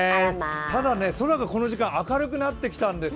ただね、空がこの時間明るくなってきたんですよ。